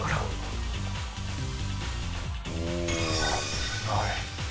危ない。